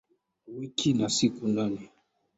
Wiki ina siku nane